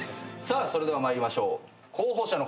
それでは参りましょう。